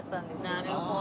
なるほど。